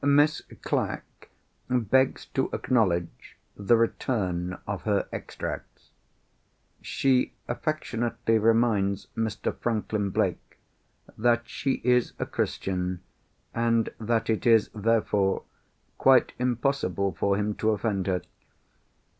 "Miss Clack begs to acknowledge the return of her Extracts. She affectionately reminds Mr. Franklin Blake that she is a Christian, and that it is, therefore, quite impossible for him to offend her.